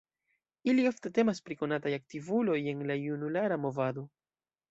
Ili ofte temas pri konataj aktivuloj en la junulara movado.